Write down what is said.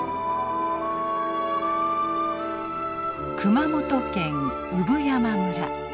熊本県産山村。